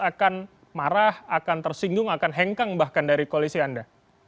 akan marah akan tersinggung akan hengkang bahkan dari koalisi anda